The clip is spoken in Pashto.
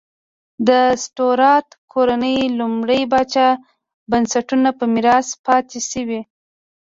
د سټورات کورنۍ لومړي پاچا بنسټونه په میراث پاتې شوې.